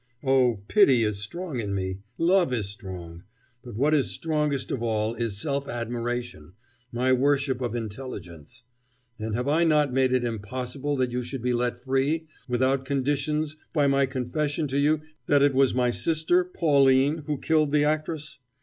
Oh, pity is strong in me, love is strong; but what is strongest of all is self admiration, my worship of intelligence. And have I not made it impossible that you should be let free without conditions by my confession to you that it was my sister Pauline who killed the actress?